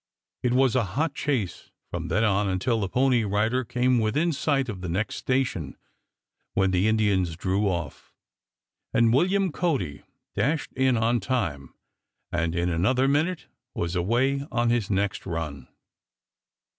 It was a hot chase from then on until the pony rider came within sight of the next station, when the Indians drew off, and William Cody dashed in on time, and in another minute was away on his next run.